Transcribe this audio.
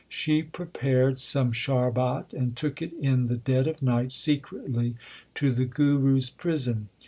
She prepared some sharbat and took it in the dead of night secretly to the Guru s prison.